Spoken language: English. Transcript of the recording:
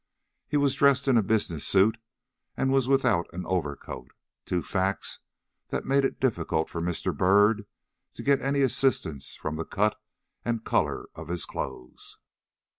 He was dressed in a business suit, and was without an overcoat two facts that made it difficult for Mr. Byrd to get any assistance from the cut and color of his clothes.